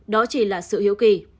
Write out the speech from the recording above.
đó chỉ là sự hiểu kỳ